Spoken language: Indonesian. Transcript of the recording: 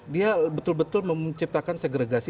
dia betul betul menciptakan segregasi